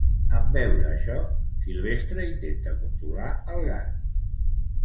En vore això, Silvestre intenta controlar el gat.